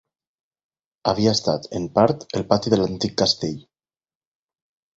Havia estat, en part, el pati de l'antic castell.